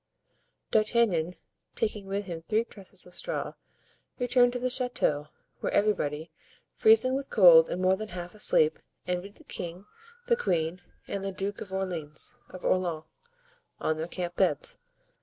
D'Artagnan, taking with him three trusses of straw, returned to the chateau, where everybody, freezing with cold and more than half asleep, envied the king, the queen, and the Duke of Orleans, on their camp beds.